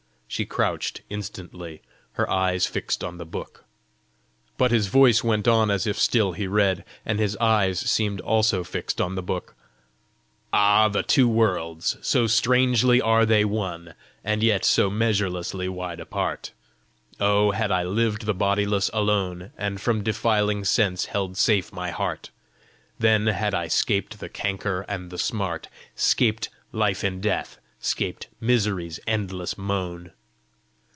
She crouched instantly, her eyes fixed on the book. But his voice went on as if still he read, and his eyes seemed also fixed on the book: "Ah, the two worlds! so strangely are they one, And yet so measurelessly wide apart! Oh, had I lived the bodiless alone And from defiling sense held safe my heart, Then had I scaped the canker and the smart, Scaped life in death, scaped misery's endless moan!"